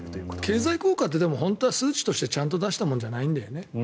経済効果って、本当は数値としてちゃんと出したものじゃないんだよね。